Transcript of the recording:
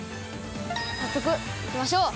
早速行きましょう！